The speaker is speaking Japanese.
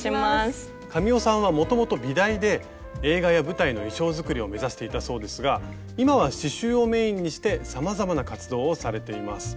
神尾さんはもともと美大で映画や舞台の衣装作りを目指していたそうですが今は刺しゅうをメインにしてさまざまな活動をされています。